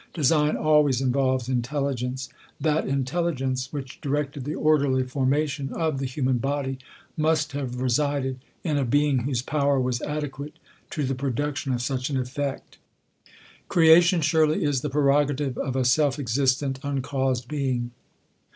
Design always involves intelligence. That intelligence, which directed the orderly formation of the human body, must have resi ded in a being whese power was adequate to the pro duction of such an effect. Creation surely is the prerogative of a self existent, uncaused Being.